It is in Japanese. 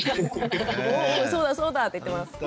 そうだそうだって言ってます。